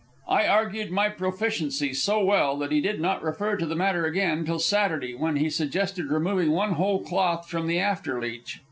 I argued my proficiency so well that he did not refer to the matter again till Saturday, when he suggested removing one whole cloth from the after leech.